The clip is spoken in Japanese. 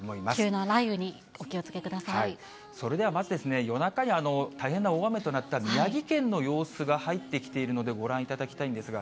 急な雷雨にお気をつけくださそれではまず、夜中に大変な大雨となった宮城県の様子が入ってきているのでご覧いただきたいんですが。